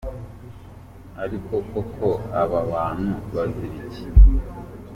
ariko koko aba bantu bazira iki?